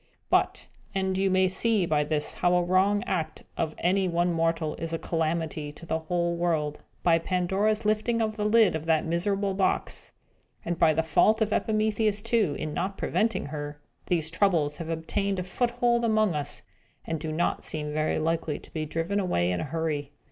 But and you may see by this how a wrong act of any one mortal is a calamity to the whole world by Pandora's lifting the lid of that miserable box, and by the fault of Epimetheus, too, in not preventing her, these Troubles have obtained a foothold among us, and do not seem very likely to be driven away in a hurry.